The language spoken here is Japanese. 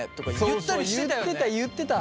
言ってた言ってた。